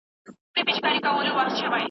د بېوسۍ ژوندونه ياد به دې ساتمه